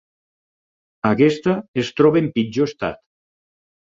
Aquesta es troba en pitjor estat.